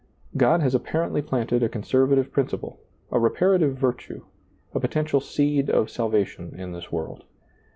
God has apparently planted a conservative principle, a reparative virtue, a potential seed of sal vation in this world.